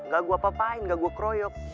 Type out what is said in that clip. gak gue apa apain gak gue kroyok